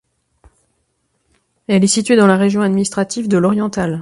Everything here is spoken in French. Elle est située dans la région administrative de l'Oriental.